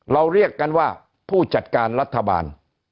เรียกกันว่าผู้จัดการรัฐบาล